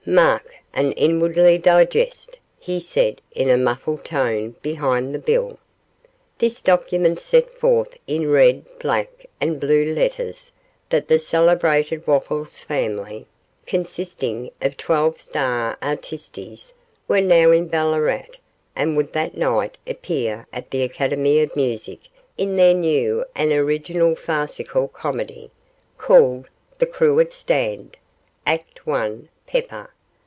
mark! and inwardly digest!' he said in a muffled tone behind the bill. This document set forth in red, black, and blue letters, that the celebrated Wopples Family, consisting of twelve star artistes, were now in Ballarat, and would that night appear at the Academy of Music in their new and original farcical comedy, called 'The Cruet Stand'. Act I: Pepper!